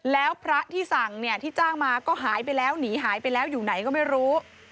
แล้วพระที่สั่งเนี่ยที่จ้างมาก็หายไปแล้วหนีหายไปแล้วอยู่ไหนก็ไม่รู้